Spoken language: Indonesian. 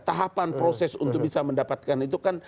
tahapan proses untuk bisa mendapatkan itu kan